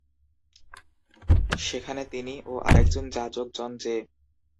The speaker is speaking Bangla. সেখানে তিনি ও আরেকজন যাজক জন জে.